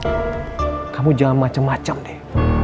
rik kamu jangan macem macem deh